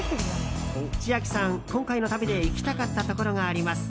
千秋さん、今回の旅で行きたかったところがあります。